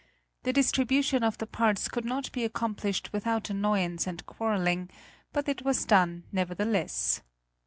The distribution of the parts could not be accomplished without annoyance and quarreling; but it was done, nevertheless.